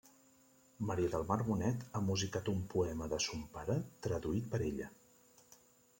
Maria del Mar Bonet ha musicat un poema de son pare traduït per ella.